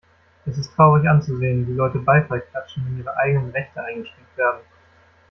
Es ist traurig anzusehen, wie Leute Beifall klatschen, wenn ihre eigenen Rechte eingeschränkt werden.